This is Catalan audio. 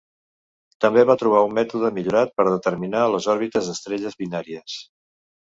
També va trobar un mètode millorat per determinar les òrbites d'estrelles binàries.